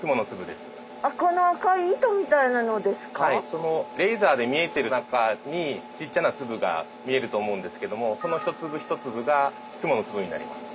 そのレーザーで見えてる中にちっちゃな粒が見えると思うんですけどもその一粒一粒が雲の粒になります。